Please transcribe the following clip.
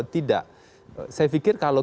tidak saya pikir kalau